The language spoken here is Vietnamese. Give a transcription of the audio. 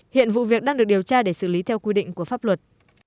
hiện vụ việc đang được điều tra để xử lý theo quy định của pháp luật